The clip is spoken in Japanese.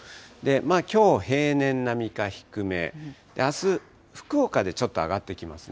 きょう、平年並みか低め、あす、福岡でちょっと上がってきますね。